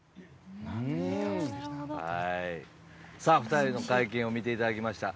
２人の会見を見ていただきました。